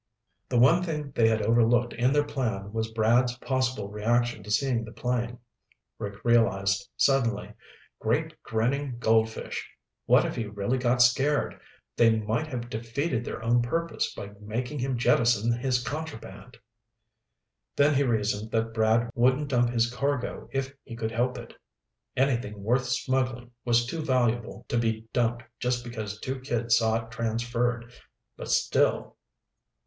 The one thing they had overlooked in their plan was Brad's possible reaction to seeing the plane, Rick realized suddenly. Great grinning goldfish! What if he really got scared? They might have defeated their own purpose by making him jettison his contraband! Then he reasoned that Brad wouldn't dump his cargo if he could help it. Anything worth smuggling was too valuable to be dumped just because two kids saw it transferred. But still